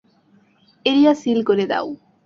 Area seal করে দাও।